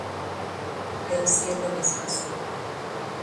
Arapy hovy